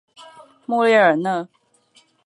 穆列尔讷。